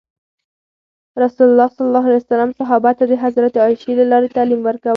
رسول الله ﷺ صحابه ته د حضرت عایشې له لارې تعلیم ورکول.